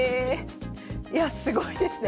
いやすごいですね。